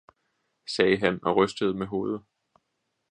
sagde han og rystede med hovedet.